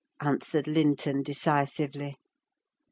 answered Linton decisively.